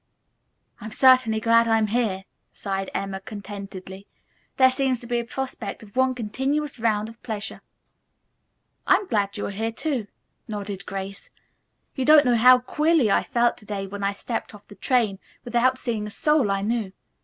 "I'm certainly glad I'm here," sighed Emma, contentedly. "There seems to be a prospect of one continuous round of pleasure." "I'm glad you are here too," nodded Grace. "You don't know how queerly I felt to day when I stepped off the train without seeing a soul I knew.